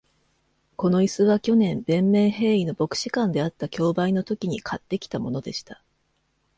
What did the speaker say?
この椅子は、去年、ヴェンメンヘーイの牧師館であった競売のときに買ってきたものでした。